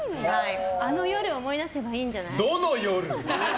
あの夜を思い出せばいいんじゃない？